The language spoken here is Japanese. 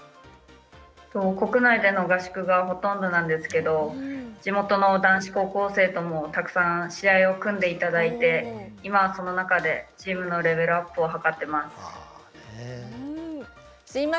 国内での合宿がほとんどなんですけど地元の男子高校生ともたくさん試合を組んでいただいて今その中でチームのレベルアップを図ってます。